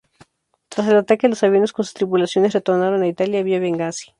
Tras el ataque, los aviones con sus tripulaciones retornaron a Italia vía Bengasi.